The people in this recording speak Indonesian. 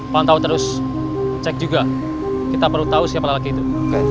pantau terus cek juga kita perlu tahu siapa lagi itu